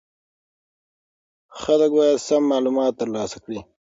خلک باید سم معلومات ترلاسه کړي.